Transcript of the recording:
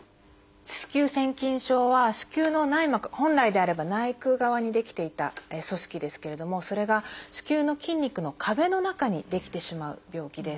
子宮腺筋症は子宮の内膜本来であれば内腔側に出来ていた組織ですけれどもそれが子宮の筋肉の壁の中に出来てしまう病気です。